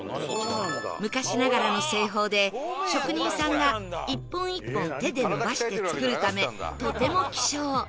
昔ながらの製法で職人さんが一本一本手で延ばして作るためとても希少